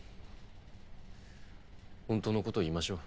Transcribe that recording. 本当の事を言いましょう。